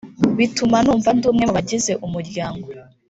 Bituma numva ndi umwe mu bagize umuryango